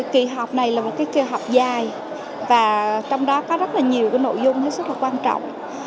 kỳ họp này là một kỳ họp dài và trong đó có rất nhiều nội dung rất quan trọng